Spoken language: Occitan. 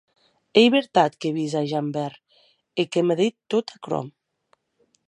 Ei vertat qu’è vist a Javert e que m’a dit tot aquerò?